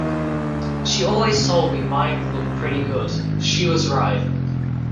She always told me mine looked pretty good - she was right.